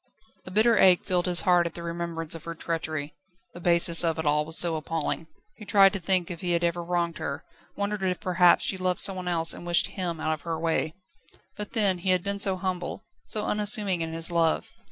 A bitter ache filled his heart at the remembrance of her treachery. The baseness of it all was so appalling. He tried to think if he had ever wronged her; wondered if perhaps she loved someone else, and wished him out of her way. But, then, he had been so humble, so unassuming in his love.